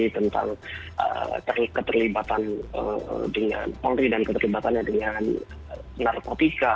tentang keterlibatan dengan polri dan keterlibatannya dengan narkotika